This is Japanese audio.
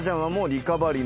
リカバリー